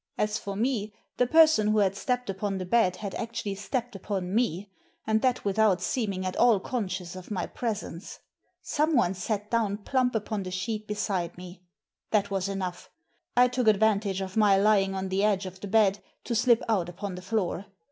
As for me, the person who had stepped upon the bed had actually stepped upon me, and that without seeming at all conscious of my presence. Someone sat down plump upon the sheet beside me. That was enough. I took advantage of my lying on the edge of the bed to slip out upon the floor.